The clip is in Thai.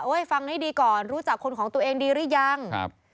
เฮ้ยฟังไว้ดีก่อนรู้จักคนของตัวเองดีหรือยัง